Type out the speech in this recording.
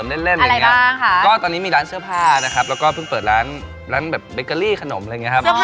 ไม่เป็นเลยขนาดนั้นเพราะว่าไม่เคยมารายการแล้วแบบมีคนอยากรู้จักเราเนี่ยครับ